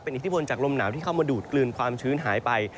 อิทธิพลจากลมหนาวที่เข้ามาดูดกลืนความชื้นหายไป